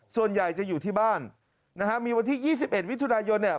ส่วนใหญ่จะอยู่ที่บ้านนะฮะมีวันที่๒๑มิถุนายนเนี่ย